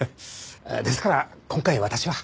ですから今回私は。